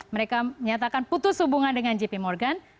mereka menyatakan putus hubungan dengan jp morgan